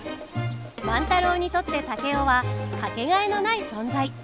万太郎にとって竹雄は掛けがえのない存在。